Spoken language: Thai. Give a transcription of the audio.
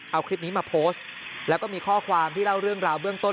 เอาคลิปนี้มาโพสต์แล้วก็มีข้อความที่เล่าเรื่องราวเบื้องต้น